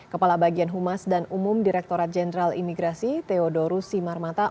kepala bagian humas dan umum direkturat jenderal imigrasi theodorus simarmata